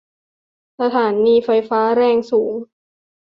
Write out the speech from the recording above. สถานีไฟฟ้าแรงสูง